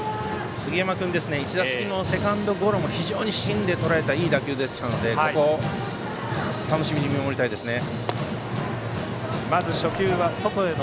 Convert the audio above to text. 杉山君、１打席目のセカンドゴロも非常に芯でとらえたいい打球でしたのでここ、楽しみに見守りたいですね。